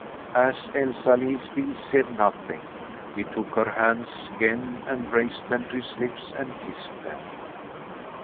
As Elsalill still said nothing, he took her hands again and raised them to his lips and kissed them.